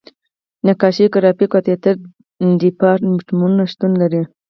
نقاشۍ، ګرافیک او تیاتر دیپارتمنټونه شتون لري.